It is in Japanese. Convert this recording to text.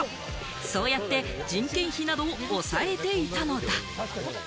そうやって人件費などを抑えていたのだ。